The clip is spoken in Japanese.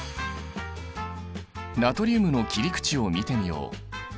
ナトリウムの切り口を見てみよう。